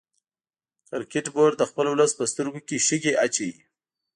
کرکټ بورډ د خپل ولس په سترګو کې شګې اچوي